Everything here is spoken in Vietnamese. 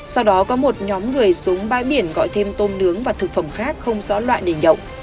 sau đó có một nhóm người xuống bãi biển gọi thêm tôm nướng và thực phẩm khác không rõ loại hình động